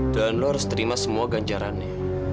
lo harus terima semua ganjarannya